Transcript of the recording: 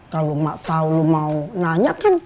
kalau mak tau lo mau nanya kan